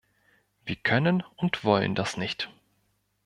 Wir können und wollen das nicht.